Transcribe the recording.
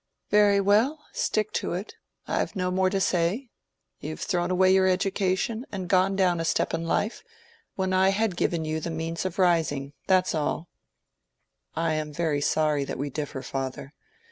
"Very well; stick to it. I've no more to say. You've thrown away your education, and gone down a step in life, when I had given you the means of rising, that's all." "I am very sorry that we differ, father.